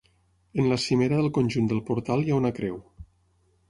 En la cimera del conjunt del portal hi ha una creu.